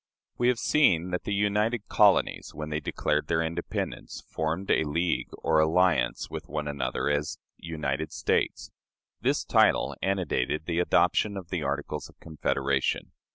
We have seen that the united colonies, when they declared their independence, formed a league or alliance with one another as "United States." This title antedated the adoption of the Articles of Confederation.